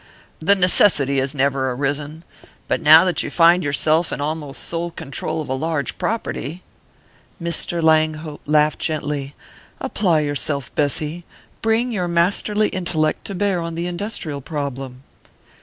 "The necessity has never arisen. But now that you find yourself in almost sole control of a large property " Mr. Langhope laughed gently. "Apply yourself, Bessy. Bring your masterly intellect to bear on the industrial problem."